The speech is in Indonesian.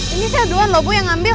ini saya aduan loh bu yang ngambil